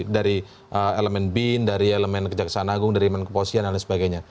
dari elemen bin dari elemen kejaksaan agung dari elemen kepolisian dan lain sebagainya